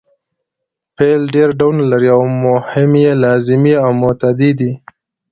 فعل ډېر ډولونه لري او مهم یې لازمي او متعدي دي.